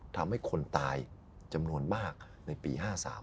ทำให้คนตายจำนวนมากในปี๕๓